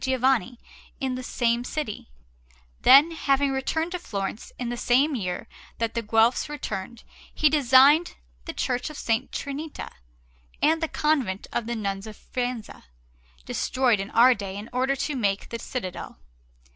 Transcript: Giovanni in the same city; then, having returned to Florence in the same year that the Guelphs returned, he designed the Church of S. Trinita, and the Convent of the Nuns of Faenza, destroyed in our day in order to make the citadel.